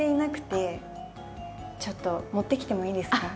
ちょっと持ってきてもいいですか？